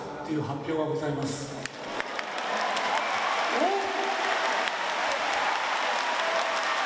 おっ！